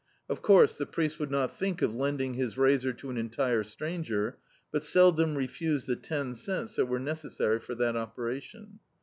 Of course, the priest would not think of lending his razor to an entire stranger, but seldom refused the ten cents that were necessary for that operation.